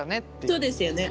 そうですよね。